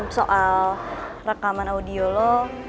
soal rekaman audio lo